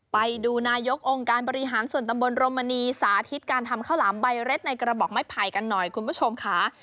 ไปดูนายกองค์การบริหารส่วนตำบลรมมณีสาธิตการทำข้าวหลามใบเร็ดในกระบอกไม้ไผ่กันหน่อยคุณผู้ชมค่ะ